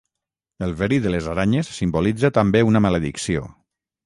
El verí de les aranyes simbolitza també una maledicció.